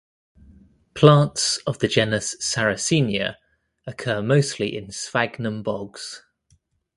Plants of the genus "Sarracenia" occur mostly in "Sphagnum" bogs.